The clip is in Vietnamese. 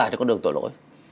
trượt dài cho con đường tội lỗi